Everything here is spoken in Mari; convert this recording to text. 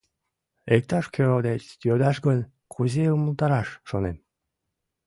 Иктаж-кӧ деч йодаш гын, кузе умылтараш, шонем.